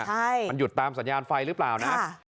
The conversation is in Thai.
ใช่มันหยุดตามสัญญาณไฟหรือเปล่านะ